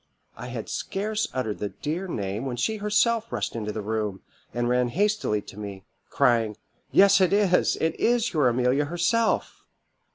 I had scarce uttered the dear name when she herself rushed into the room, and ran hastily to me, crying, 'Yes, it is, it is your Amelia herself.